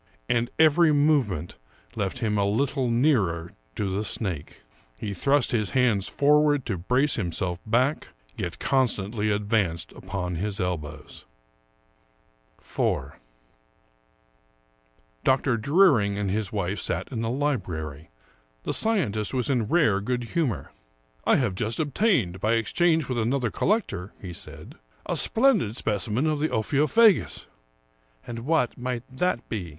And every movement left him a little nearer to the snake. He thrust his hands forward to brace himself back, yet con stantly advanced upon his elbows. 109 American Mystery Stories IV Dr. Druring and his wife sat in the library. The sci entist was in rare good humor. " I have just obtained, by exchange with another col lector," he saidj " a splendid specimen of the Ophiophagus." " And what may that be